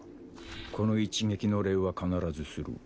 この一撃の礼は必ずする。